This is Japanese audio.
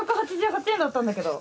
５８８円だったんだけど。